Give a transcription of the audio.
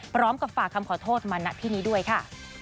พร้อมกับฝากคำขอโทษมาณที่นี้ด้วยค่ะ